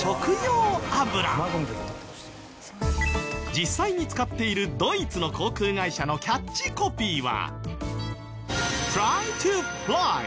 実際に使っているドイツの航空会社のキャッチコピーは。